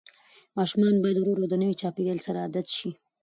ماشوم باید ورو ورو د نوي چاپېریال سره عادت شي.